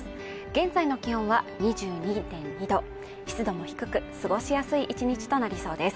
現在の気温は２２．２度湿度も低く過ごしやすい一日となりそうです